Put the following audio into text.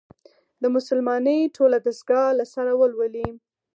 د «مسلمانۍ ټوله دستګاه» له سره ولولي.